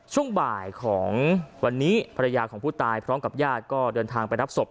ช่วงบ่ายของวันนี้ภรรยาของผู้ตายพร้อมกับญาติก็เดินทางไปรับศพ